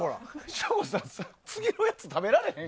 省吾さん、次のやつ食べられへんよ。